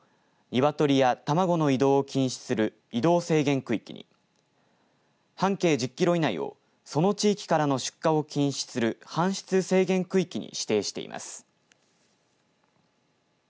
鶏や卵の移動を禁止する移動制限区域に半径１０キロ以内をその地域からの出荷を禁止する搬出制限区域に指定しています。